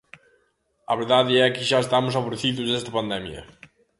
A verdade é que xa estamos aborrecidos desta pandemia.